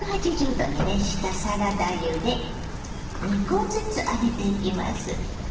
℃に熱したサラダ油で２コずつ揚げていきます。